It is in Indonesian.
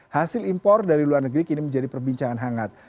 hasil impor dari luar negeri kini menjadi perbincangan hangat